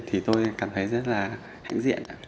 thì tôi cảm thấy rất là hãnh diện